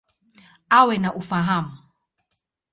Awe na ufahamu.